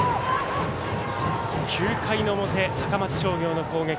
９回の表、高松商業の攻撃。